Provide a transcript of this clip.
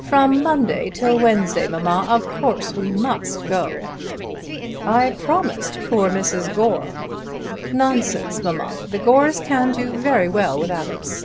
"From Monday till Wednesday, mamma. Of course we must go." "I promised poor Mrs. Gore." "Nonsense, mamma! The Gores can do very well without us.